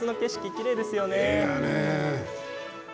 きれいですよね。